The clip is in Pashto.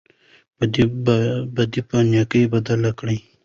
بدي په نېکۍ بدله کړئ.